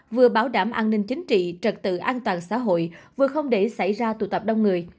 vừa bảo đảm an ninh chính trị trật tự an toàn xã hội vừa không để xảy ra tụ tập đông người